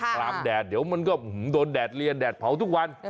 กลางแดดเดี๋ยวมันก็โดนแดดเรียนแดดเผาทุกวัน